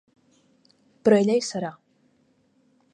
Però ella hi serà.